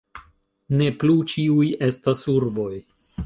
Ne plu ĉiuj estas urboj.